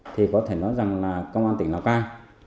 thì có thể nói rằng là công an tỉnh lào cai